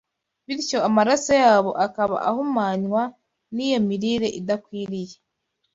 bityo amaraso yabo akaba ahumanywa n’iyo mirire idakwiriye